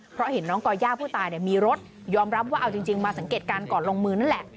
เพราะเห็นน้องก่อย่าผู้ตายมีรถยอมรับว่าเอาจริงมาสังเกตการณ์ก่อนลงมือนั่นแหละ